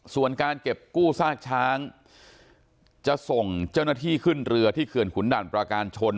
ส่วนการเก็บกู้ซากช้างจะส่งเจ้าหน้าที่ขึ้นเรือที่เขื่อนขุนด่านปราการชน